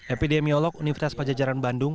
epidemiolog universitas pajajaran bandung